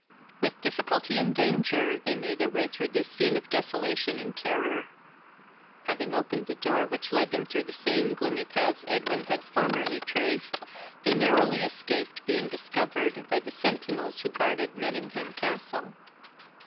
With difficulty and danger they made their way through this scene of desolation and terror. Having opened the door which led them through the same gloomy paths Edwin had formerly traced, they narrowly escaped being discovered by the centinels who guarded Mettingham Castle.